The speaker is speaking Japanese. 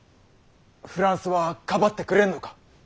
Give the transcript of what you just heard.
フランスはかばってくれぬのか？